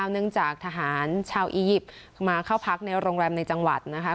เนื่องจากทหารชาวอียิปต์มาเข้าพักในโรงแรมในจังหวัดนะคะ